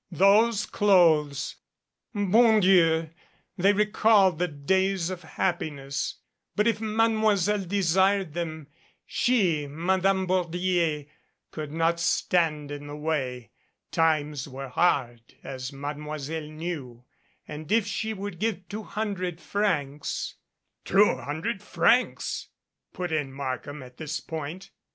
Those clothes bon Dieu! they recalled the days of happiness; but if Mademoiselle desired them, she, Madame Bordier, could not stand in the way. Times were MADCAP _^^ hard, as Mademoiselle knew, and if she would give two hundred francs "Two hundred francs !" put in Markham at this point.